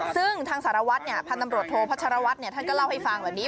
ซึ่งทางสารวัฒน์เนี่ยพันธมโรโทพัชรวัฒน์เนี่ยท่านก็เล่าให้ฟังแบบนี้